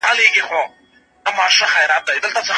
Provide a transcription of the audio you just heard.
ابن أبي نَجِيح له مجاهد رحمه الله څخه روايت کوي.